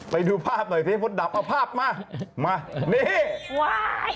ไปดูภาพหน่อยไฟฟ้าดับเอาภาพมามานี่